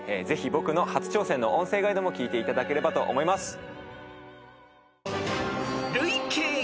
ぜひ僕の初挑戦の音声ガイドも聞いていただければと思います。